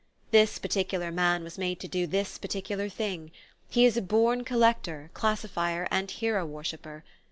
This particular man was made to do this particular thing: he is a born collector, classifier, and hero worshipper.